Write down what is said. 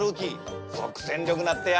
即戦力になってや。